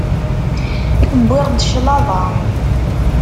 Wwiɣ-d claḍa.